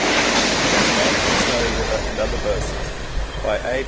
] THE MAN FROM SNOWY RIVER AND OTHER VERSES by A.